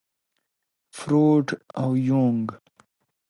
فروډ او يونګ.